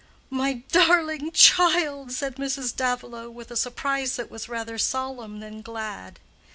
"My darling child," said Mrs. Davilow, with a surprise that was rather solemn than glad.